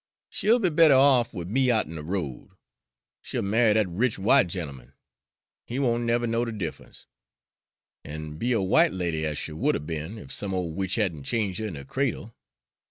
She'll be better off wid me out'n de road. She'll marry dat rich w'ite gent'eman, he won't never know de diffe'nce, an' be a w'ite lady, ez she would 'a' be'n, ef some ole witch had n' changed her in her cradle.